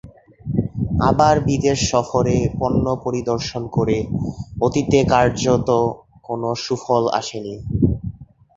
আবার বিদেশ সফরে পণ্য পরিদর্শন করে অতীতে কার্যত কোনো সুফল আসেনি।